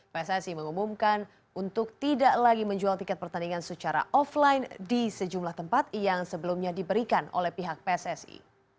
pssi mengumumkan untuk tidak lagi menjual tiket pertandingan secara offline di sejumlah tempat yang sebelumnya diberikan oleh pihak pssi